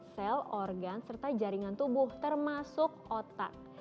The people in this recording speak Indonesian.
sel organ serta jaringan tubuh termasuk otak